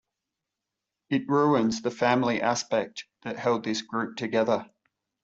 It ruins the family aspect that held this group together.